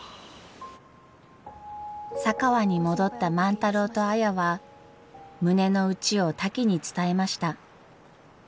佐川に戻った万太郎と綾は胸の内をタキに伝えました。